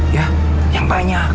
ya yang tanya